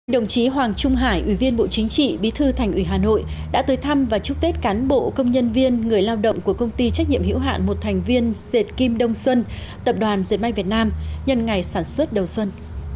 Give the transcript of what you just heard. đồng chí hoàng trung hải ủy viên bộ chính trị bí thư thành ủy hà nội đã tới thăm và chúc tết cán bộ công nhân viên người lao động của công ty trách nhiệm hữu hạn một thành viên dệt kim đông xuân tập đoàn dệt may việt nam nhân ngày sản xuất đầu xuân